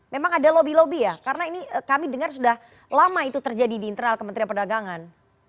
memang ada lobby lobby ya karena ini kami dengar sudah lama itu terjadi di internal kementerian perdagangan